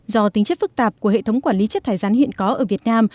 do tính chất phức tạp của hệ thống quản lý chất thải gian hiện có ở việt nam